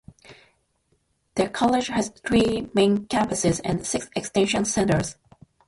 The college has three main campuses and six extension centers.